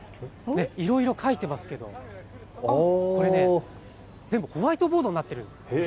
いろいろ書いてますけど全部ホワイトボードになっている。